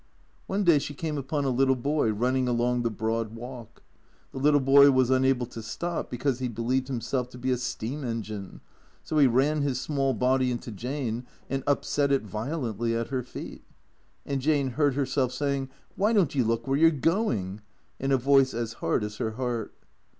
One day she came upon a little boy running along the Broad Walk. The little boy was unable to stop because he believed himself to be a steam engine, so he ran his small body into Jane and upset it violently at her feet. And Jane lieard herself say ing, "Why don't you look where you're going?" in a voice as hard as her heart.